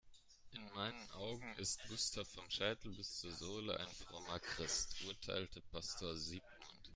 "In meinen Augen ist Gustav vom Scheitel bis zur Sohle ein frommer Christ", urteilte Pastor Sigmund.